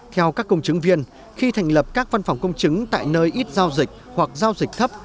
theo các công chứng viên khi thành lập các văn phòng công chứng tại nơi ít giao dịch hoặc giao dịch thấp